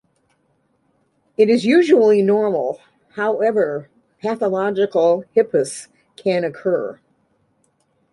It is usually normal, however pathological hippus can occur.